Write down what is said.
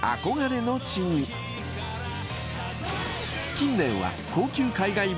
［近年は］